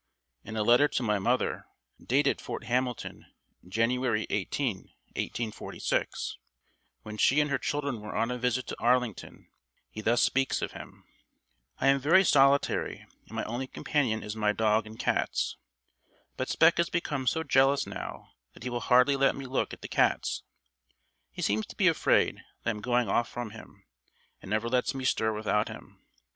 In a letter to my mother, dated Fort Hamilton, January 18, 1846, when she and her children were on a visit to Arlington, he thus speaks of him: "... I am very solitary, and my only company is my dog and cats. But Spec has become so jealous now that he will hardly let me look at the cats. He seems to be afraid that I am going off from him, and never lets me stir without him.